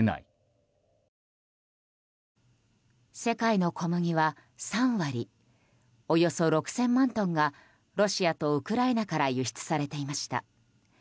世界の小麦は３割およそ６０００万トンがロシアとウクライナから輸出されていました。